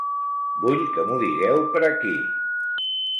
Vull que m'ho digueu per aquí!